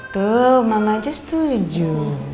tuh mama aja setuju